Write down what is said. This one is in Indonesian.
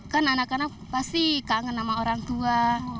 kan anak anak pasti kangen sama orang tua